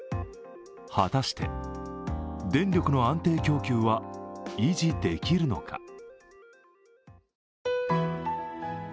果たして電力の安定供給は維持できるのか。